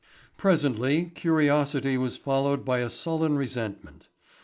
] Presently curiosity was followed by a sullen resentment.